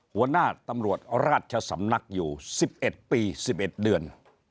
หัวหน้าตำรวจราชสำนักอยู่๑๑ปี๑๑เดือน